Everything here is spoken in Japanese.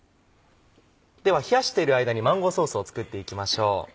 では冷やしている間にマンゴーソースを作っていきましょう。